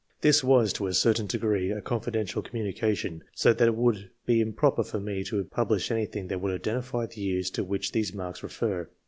This was, to a certain degree, a confidential communication, so that it would be improper for me to publish anything that would identify the years to which these marks refer.